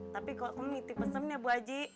tapi kokom ngiti pesen ya bu haji